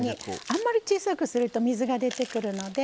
あんまり小さくすると水が出てくるので。